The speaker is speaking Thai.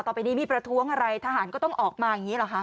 ต่อไปนี้มีประท้วงอะไรทหารก็ต้องออกมาอย่างนี้หรอคะ